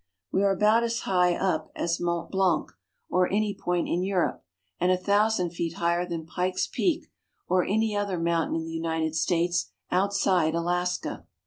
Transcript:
We are about as high up as Mont Blanc or any point in Europe, and a thousand feet higher than Pikes Peak or any other mountain in the United States outside Alaska.